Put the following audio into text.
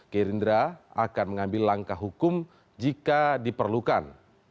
gerindra akan mengambil langkah hukum jika diperlukan